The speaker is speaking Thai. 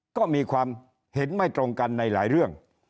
ก็มีความเห็นไม่ตรงกันในหลายเรื่อง